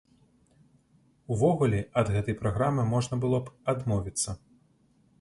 Увогуле, ад гэтай праграмы можна было б адмовіцца.